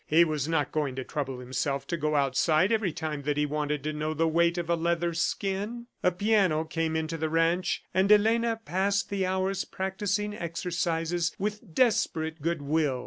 He was not going to trouble himself to go outside every time that he wanted to know the weight of a leather skin! ... A piano came into the ranch, and Elena passed the hours practising exercises with desperate good will.